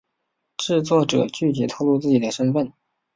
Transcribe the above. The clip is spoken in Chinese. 制作者拒绝透露自己的身份。